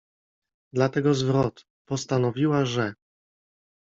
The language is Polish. Dlatego zwrot: „postanowiła, że.